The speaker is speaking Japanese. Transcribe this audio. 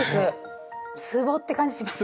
つぼって感じしますね。